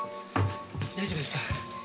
大丈夫ですか？